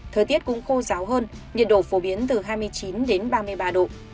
thời tiết cũng khô ráo hơn nhiệt độ phổ biến từ hai mươi chín đến ba mươi ba độ